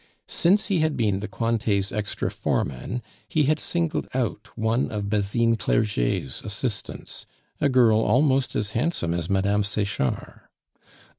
Since he had been the Cointet's extra foreman, he had singled out one of Basine Clerget's assistants, a girl almost as handsome as Mme. Sechard.